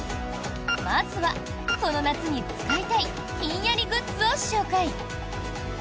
まずは、この夏に使いたいひんやりグッズを紹介。